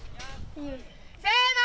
せの！